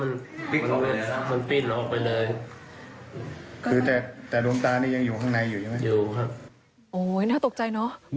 คือแต่ดวงตานี้ยังอยู่ข้างในอยู่ใช่ไหม